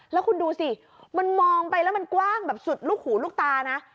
แล้วคุณดูสิมันมองไปแล้วมันกว้างแบบสุดลูกหูลูกตานะ